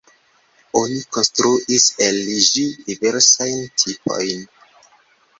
Oni konstruis el ĝi diversajn tipojn.